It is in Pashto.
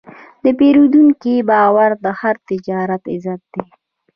د پیرودونکي باور د هر تجارت عزت دی.